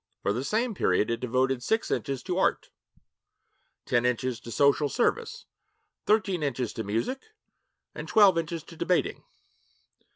For the same period, it devoted six inches to art, ten inches to social service, thirteen inches to music, and twelve inches to debating.